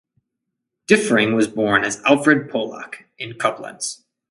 Diffring was born as Alfred Pollack in Koblenz.